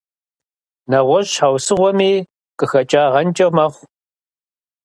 НэгъуэщӀ щхьэусыгъуэми къыхэкӀагъэнкӀэ мэхъу.